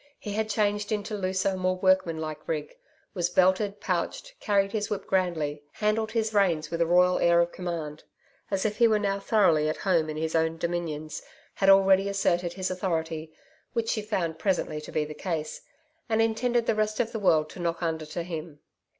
He had changed into looser, more workmanlike rig was belted, pouched, carried his whip grandly, handled his reins with a royal air of command, as if he were now thoroughly at home in his own dominions, had already asserted his authority which she found presently to be the case and intended the rest of the world to knock under to him.